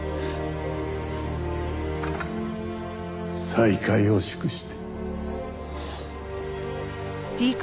再会を祝して。